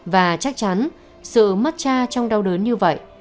và chắc chắn sự mất cha trong đau đớn như vậy